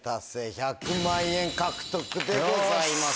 １００万円獲得でございます。